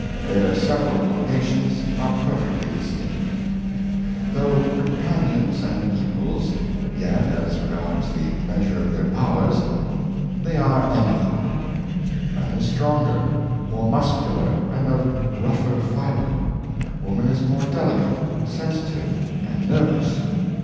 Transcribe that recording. Their several voca tions are perfectly distinct. 558 The Mission of Man and Woman. Though companions and equals, yet, as regards the measure of their powers, they are unequal. Man is stronger, more muscular, and of rougher fiber; woman is more delicate, sensitive and nervous.